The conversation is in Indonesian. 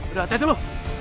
udah atet lo